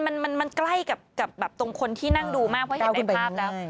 มันใกล้กับตรงคนที่นั่งดูมากเพราะเห็นคุณภาพแล้ว